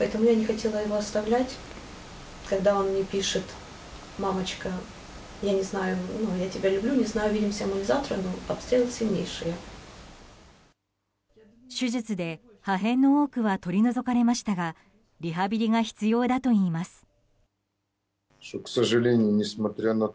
手術で、破片の多くは取り除かれましたがリハビリが必要だといいます。